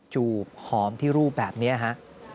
จูบหอมที่รูปแบบนี้ฮะ